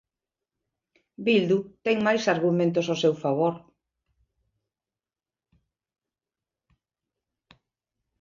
Bildu ten máis argumentos ao seu favor.